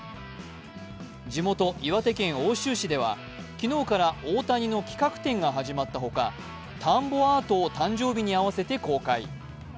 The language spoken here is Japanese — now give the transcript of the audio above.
地元、岩手県奥州市では昨日から大谷の企画展が始まったほか田んぼアートを誕生日に合わせて公開。